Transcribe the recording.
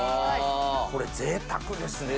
これぜいたくですね。